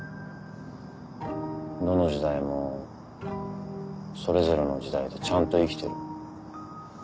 どの時代もそれぞれの時代でちゃんと生きてる。